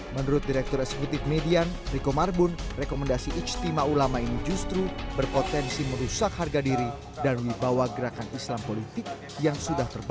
menurut direktur eksekutif median riko marbun rekomendasi istimewa ulama ini justru berpotensi merusak harga diri dan wibawa gerakan islam politik yang sudah terbang